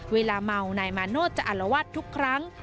เวลาเมานายมาโนธจะอารวาสทุกครั้ง